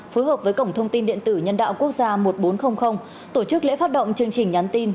phối hợp với cổng thông tin điện tử nhân đạo quốc gia một nghìn bốn trăm linh tổ chức lễ phát động chương trình nhắn tin